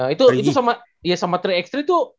itu sama tiga x tiga tuh